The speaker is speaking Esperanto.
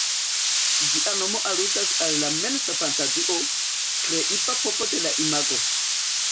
Ĝia nomo aludas al la mensa fantazio, kreiva povo de la imago.